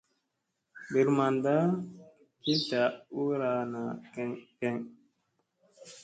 Birk mamda ki tla ura naʼaa keŋ keŋ.